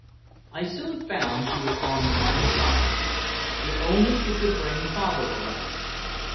I soon found she was on my side. If only she could bring father around.